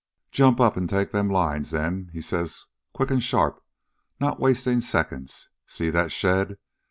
"'Jump up an' take them lines, then,' he says, quick an' sharp, not wastin' seconds. 'See that shed.